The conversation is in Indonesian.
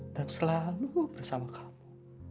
dan selalu bersama kamu